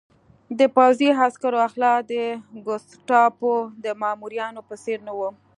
د پوځي عسکرو اخلاق د ګوستاپو د مامورینو په څېر نه وو